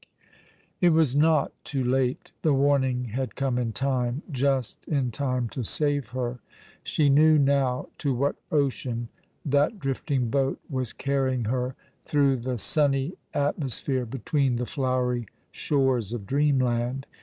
It was not too late. The warning had come in time— just in time to save her. She kne\^' now to what ocean that drifting boat was carrying her through the sunny atmo *' Dreaining, she knew it was a DreaniP 55 sphere, between the flowery shores of dreamlaud.